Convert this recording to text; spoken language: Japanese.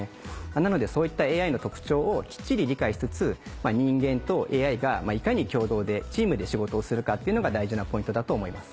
なのでそういったＡＩの特徴をきっちり理解しつつ人間とＡＩがいかに共同でチームで仕事をするかっていうのが大事なポイントだと思います。